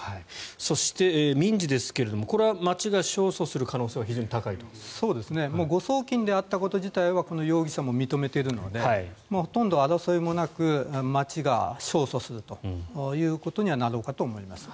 そして民事ですがこれは町が勝訴する可能性は誤送金であったこと自体は容疑者も認めているのでほとんど争いもなく町が勝訴するということにはなろうかと思います。